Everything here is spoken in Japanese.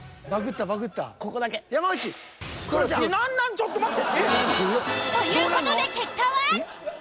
ちょっと待って。という事で結果は？